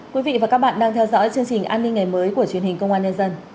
quý vị và các bạn đang theo dõi chương trình an ninh ngày mới của truyền hình công an nhân dân